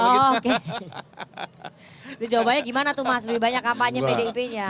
gimana tuh mas lebih banyak kampanye pdp nya